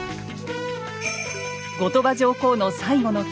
後鳥羽上皇の最期の地